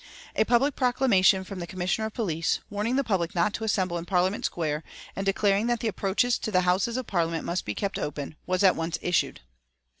A public proclamation from the Commissioner of Police, warning the public not to assemble in Parliament Square and declaring that the approaches to the Houses of Parliament must be kept open, was at once issued.